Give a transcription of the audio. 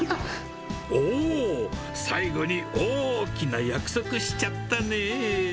おー、最後に大きな約束しちゃったね。